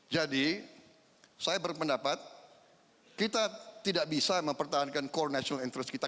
jadi saya berpendapat kita tidak bisa mempertahankan core national interest kita